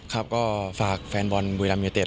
ครับก็ฝากแฟนบอลบุรีรัมยูเต็